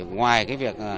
ngoài cái việc